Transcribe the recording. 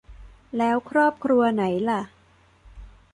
แล้วครอบครัวไหนล่ะ